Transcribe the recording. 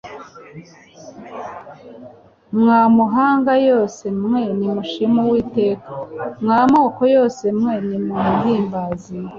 «Mwa mahanga yose, mwe Nimushime Uwiteka, Mwa moko yose mwe, Ninnnnuhimbaze,